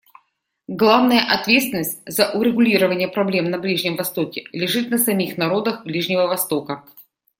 Главная ответственность за урегулирование проблем на Ближнем Востоке лежит на самих народах Ближнего Востока.